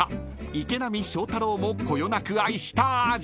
池波正太郎もこよなく愛した味］